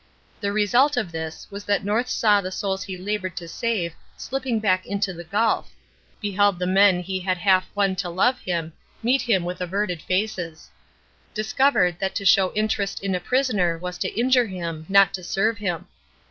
The result of this was that North saw the souls he laboured to save slipping back into the gulf; beheld the men he had half won to love him meet him with averted faces; discovered that to show interest in a prisoner was to injure him, not to serve him.